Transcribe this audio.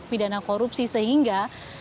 pidana korupsi sehingga